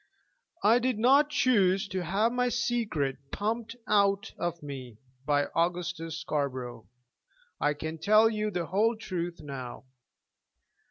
"I did not choose to have my secret pumped out of me by Augustus Scarborough. I can tell you the whole truth now.